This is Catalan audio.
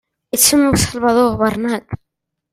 Ets el meu salvador, Bernat!